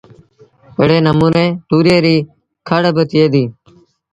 ايڙي نموٚني تُوريئي ريٚ کڙ با ٿئي ديٚ